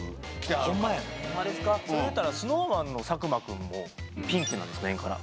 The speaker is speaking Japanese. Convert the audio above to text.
それでいったらＳｎｏｗＭａｎの佐久間君もピンクなんですメンカラ。